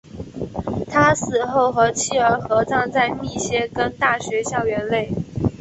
他死后和妻儿合葬在密歇根大学校园内。